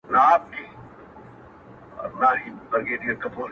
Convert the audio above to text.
له يوه لاسه ټک نه خېژي.